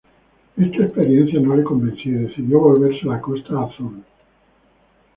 Esta experiencia no le convenció y decidió volverse a la Costa Azul.